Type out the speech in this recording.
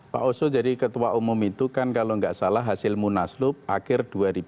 pak oso jadi ketua umum itu kan kalau tidak salah hasil munaslub akhir dua ribu enam belas